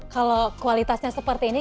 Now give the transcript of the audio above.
kalau kualitasnya seperti ini